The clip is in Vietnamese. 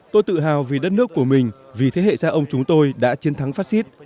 tôi tự hào vì đất nước của mình vì thế hệ cha ông chúng tôi đã chiến thắng fascist